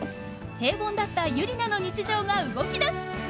平凡だったユリナの日常が動きだす！